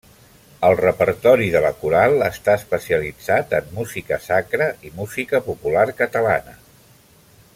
El repertori de la coral està especialitzat en música sacra i música popular catalana.